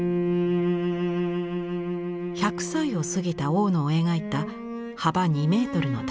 １００歳を過ぎた大野を描いた幅２メートルの大作。